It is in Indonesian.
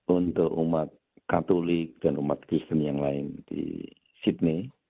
untuk umat katolik dan umat kristen yang lain di sydney